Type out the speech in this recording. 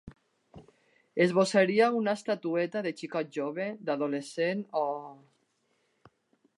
Esbossaria una estatueta de xicot jove, d'adolescent o…